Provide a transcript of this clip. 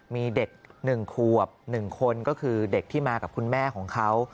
มีเด็กหนึ่งควบหนึ่งคนก็คือเด็กที่มากับคุณแม่ของเขา